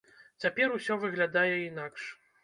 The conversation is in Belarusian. Цяпер усё выглядае інакш.